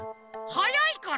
はやいから！